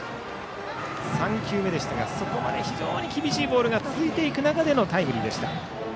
３球目でしたがそこまで非常に厳しいボールが続いていく中でのタイムリーでした。